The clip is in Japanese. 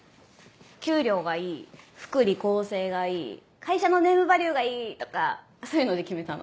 給料がいい福利厚生がいい会社のネームバリューがいいとかそういうので決めたの。